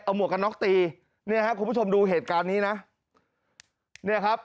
หมวกกันน็อกตีเนี่ยฮะคุณผู้ชมดูเหตุการณ์นี้นะเนี่ยครับ